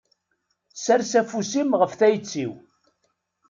Sers afus-im ɣef tayet-iw.